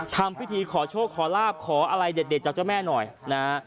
ทำพิธีขอโชคขอลาบขออะไรเด็ดจากเจ้าแม่หน่อยนะฮะ